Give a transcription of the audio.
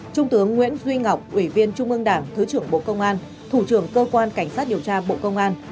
trung tướng nguyễn duy ngọc ủy viên trung ương đảng thứ trưởng bộ công an thủ trưởng cơ quan cảnh sát điều tra bộ công an